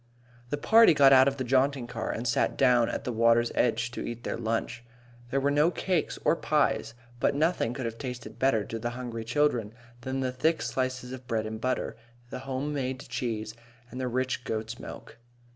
The party got out of the jaunting car and sat down at the water's edge to eat their lunch. There were no cakes or pies, but nothing could have tasted better to the hungry children than the thick slices of bread and butter, the home made cheese, and the rich goat's milk.